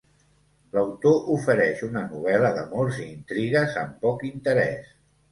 I l'autor ofereix una novel·la d'amors i intrigues amb poc interès.